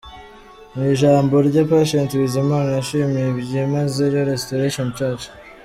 Mu ijambo rye Patient Bizimana yashimiye byimazeyo Restoration church.